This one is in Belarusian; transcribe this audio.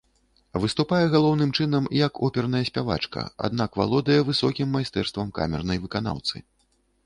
Выступае галоўным чынам як оперная спявачка, аднак валодае высокім майстэрствам камернай выканаўцы.